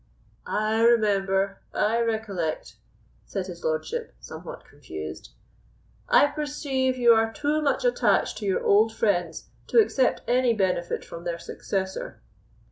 "I remember—I recollect," said his lordship, somewhat confused. "I perceive you are too much attached to your old friends to accept any benefit from their successor."